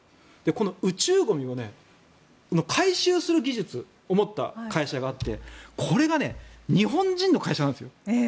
この宇宙ゴミを回収する技術を持った会社があってこれが日本人の会社なんですよ。